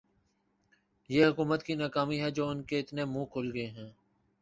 یہ حکومت کی ناکامی جو انکے اتنے منہ کھل گئے ہیں